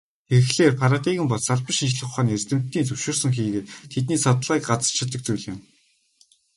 Тэгэхлээр, парадигм бол салбар шинжлэх ухааны эрдэмтдийн зөвшөөрсөн хийгээд тэдний судалгааг газарчилдаг зүйл юм.